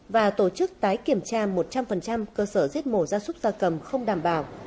và tổ chức tái kiểm tra một trăm linh cơ sở giết mổ ra súc ra cầm không đảm bảo